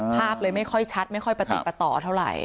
ภาพเลยไม่ค่อยชัดไม่ค่อยประติดประต่อเท่าไหร่